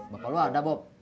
bapak lo ada bob